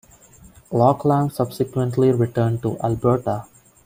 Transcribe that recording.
Lauchlan subsequently returned to Alberta.